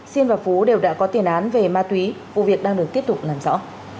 sinh và phú đều đã có tiền án về ma túy vụ việc đang được tiếp tục làm rõ